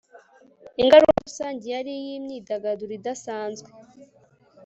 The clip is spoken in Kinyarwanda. Ingaruka rusange yari iyimyidagaduro idasanzwe